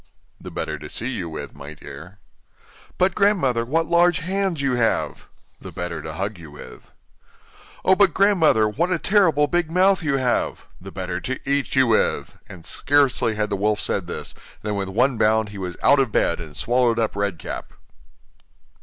'The better to see you with, my dear.' 'But, grandmother, what large hands you have!' 'The better to hug you with.' 'Oh! but, grandmother, what a terrible big mouth you have!' 'The better to eat you with!' And scarcely had the wolf said this, than with one bound he was out of bed and swallowed up Red Cap.